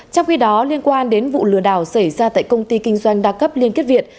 trong khi đó liên quan đến vụ lừa đảo xảy ra tại công ty kinh doanh đa cấp liên kết việt